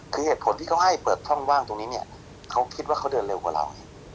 คือเหตุผลที่เขาให้เปิดช่องว่างตรงนี้เนี่ยเขาคิดว่าเขาเดินเร็วกว่าเรา